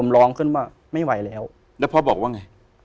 แล้วพ่อบอกว่าไง